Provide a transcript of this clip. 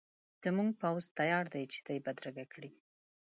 زموږ پوځ تیار دی چې دی بدرګه کړي.